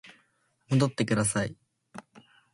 戻ってください